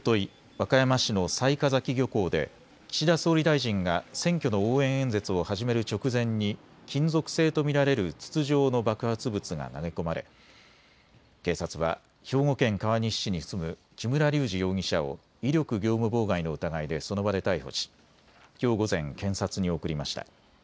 和歌山市の雑賀崎漁港で岸田総理大臣が選挙の応援演説を始める直前に金属製と見られる筒状の爆発物が投げ込まれ警察は兵庫県川西市に住む木村隆二容疑者を威力業務妨害の疑いでその場で逮捕しきょう午前、検察に送りました。